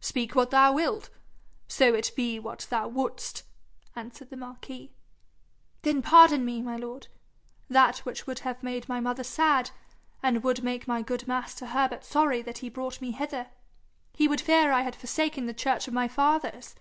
'Speak what thou wilt, so it be what thou would'st,' answered the marquis. 'Then pardon me, my lord, that which would have made my mother sad, and would make my good master Herbert sorry that he brought me hither. He would fear I had forsaken the church of my fathers.'